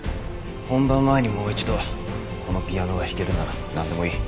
本番前にもう一度このピアノが弾けるならなんでもいい。